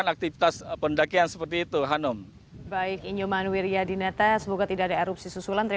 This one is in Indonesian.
jadi ini adalah peningkatan yang terjadi di wilayah sekitar pulau bali ini